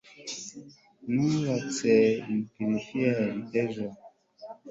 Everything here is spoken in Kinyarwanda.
nubatse amplifier ejo